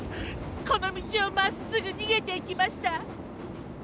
この道をまっすぐにげていきました。